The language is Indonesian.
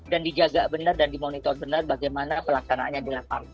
dan dijaga benar dan dimonitor benar bagaimana pelaksanaannya di lapang